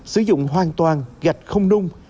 sử dụng hoàn toàn gạch không nung